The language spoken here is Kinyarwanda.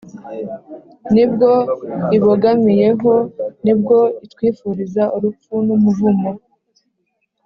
nibwo ibogamiyeho. ni bwo itwifuriza ; urupfu n’umuvumo